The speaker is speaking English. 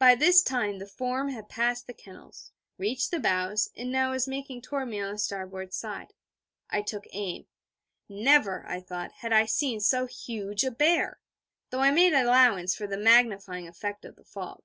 By this time, the form had passed the kennels, reached the bows, and now was making toward me on the starboard side. I took aim. Never, I thought, had I seen so huge a bear though I made allowance for the magnifying effect of the fog.